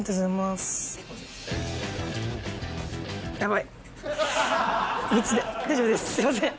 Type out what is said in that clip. すいません。